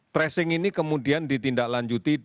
tracing ini kemudian ditindaklanjurkan